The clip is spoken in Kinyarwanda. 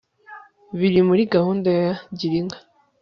biri muri gahunda ya girinka